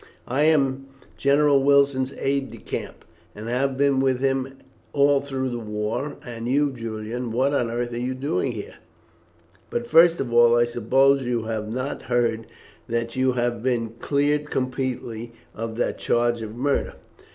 "I am General Wilson's aide de camp, and have been with him all through the war; and you, Julian, what on earth are you doing here? But first of all, I suppose you have not heard that you have been cleared completely of that charge of murder."